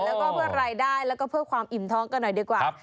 แล้วก็เพื่อรายได้แล้วก็เพื่อความอิ่มท้องกันหน่อยดีกว่า